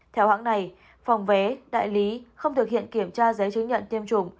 theo hãng này phòng vé đại lý không thực hiện kiểm tra giấy chứng nhận tiêm chủng